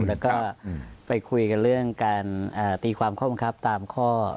แล้วก็ไปคุยกันเรื่องการตีความข้อบังคับตามข้อ